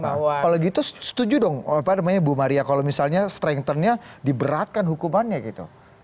apalagi itu setuju dong pak ibu maria kalau misalnya strengthen nya diberatkan hukumannya gitu